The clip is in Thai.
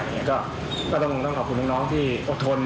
และก็รับคุณค่ะพี่กายเก่าอดทน